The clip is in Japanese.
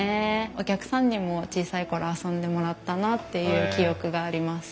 お客さんにも小さい頃遊んでもらったなっていう記憶があります。